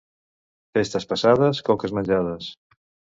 Festes passades, coques menjades.